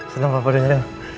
seneng papa dengerin